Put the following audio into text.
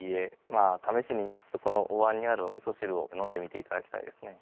まあためしにそこのおわんにあるおみそしるを飲んでみていただきたいですね。